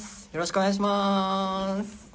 よろしくお願いします。